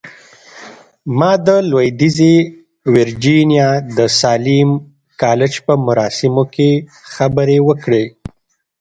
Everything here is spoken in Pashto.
ما د لويديځې ويرجينيا د ساليم کالج په مراسمو کې خبرې وکړې.